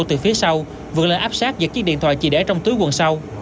từ phía sau vượt lên áp sát giật chiếc điện thoại chỉ để trong túi quần sau